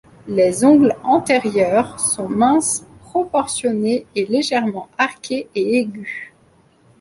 Les ongles antérieurs sont minces, proportionnés, et légèrement arqués et aigus.